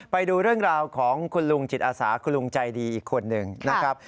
ไปดูเรื่องราวของคุณลุงจิตอาสาคุณลุงใจดีอีกคนหนึ่งนะครับ